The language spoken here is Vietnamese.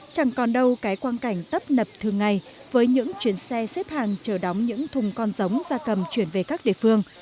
chẳng còn đâu cái quan cảnh tấp nập thường ngày với những chuyến xe xếp hàng chờ đóng những thùng con giống ra cầm chuyển về các địa phương